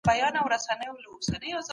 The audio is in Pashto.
د اوږدمهاله کېناستو مخنیوی مهم دی.